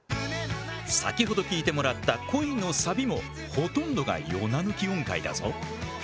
先ほど聴いてもらった「恋」のサビもほとんどがヨナ抜き音階だぞ。